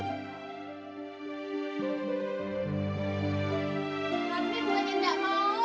ratni bukannya tidak mau